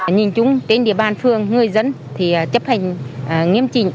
nhìn chúng trên địa bàn phương người dân thì chấp hành nghiêm trình